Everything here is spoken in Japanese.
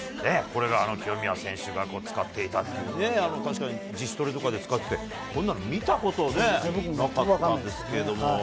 これが清宮選手が使っていたという、確かに、自主トレとかで使ってて、こんなの見たことなかったんですけれども。